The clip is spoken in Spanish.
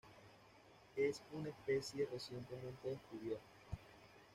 Es una especie recientemente descubierta.